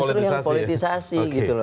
nah ini justru yang politisasi gitu loh